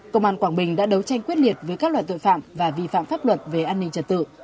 công an quảng bình đã đấu tranh quyết liệt với các loại tội phạm và vi phạm pháp luật về an ninh trật tự